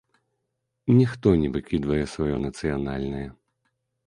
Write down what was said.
Ніхто не выкідвае сваё нацыянальнае.